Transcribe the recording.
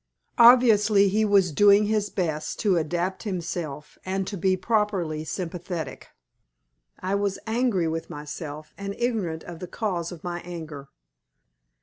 Obviously he was doing his best to adapt himself and to be properly sympathetic. I was angry with myself and ignorant of the cause of my anger.